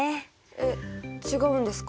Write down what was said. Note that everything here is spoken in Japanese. えっ違うんですか？